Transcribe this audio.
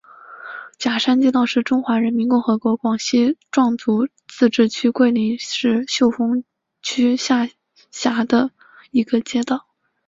甲山街道是中华人民共和国广西壮族自治区桂林市秀峰区下辖的一个街道。